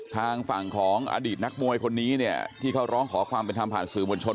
ทางฝั่งของอดีตนักมวยคนนี้เนี่ยที่เขาร้องขอความเป็นธรรมผ่านสื่อมวลชน